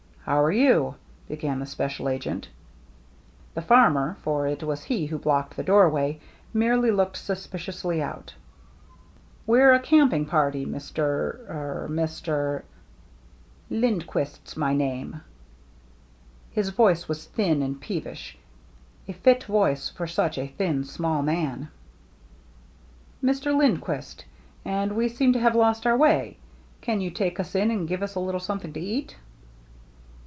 " How are you ?" began the special agent. 270 THE MERRr ANNE The farmer, for it was he who blocked the doorway, merely looked suspiciously out. " We're a camping party, Mr. — Mr. —"" Lindquist's my name." His voice was thin and peevish, a fit voice for such a thin, small man. "— Mr. Lindquist, and we seem to have lost our way. Can you take us in and give us a little something to eat